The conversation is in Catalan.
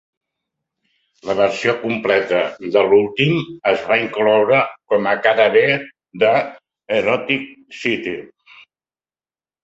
La versió completa de l'últim es va incloure com a cara B de "Erotic City".